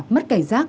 mất cảnh giác